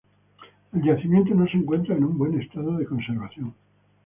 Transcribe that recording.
El yacimiento no se encuentra en un buen estado de conservación.